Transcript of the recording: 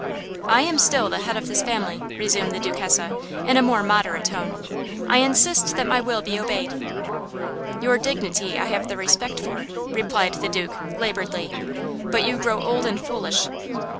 "I am still the head of this family," resumed the Duchessa, in a more moderate tone. "I insist that my will be obeyed." "Your dignity I have the respect for," replied the Duke, laboredly; "but you grow old and foolish."